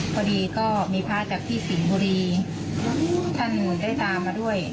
พอดีก็มีพระจากที่สิงห์บุรีท่านได้ตามมาด้วย